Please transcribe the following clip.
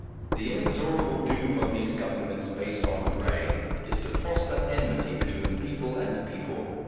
The inexorable doom of these governments based on the grey, is to foster enmity between people and people.